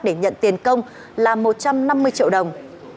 để nhận tiền công là một trăm năm mươi triệu đồng